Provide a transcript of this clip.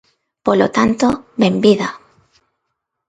Polo tanto, ¡benvida!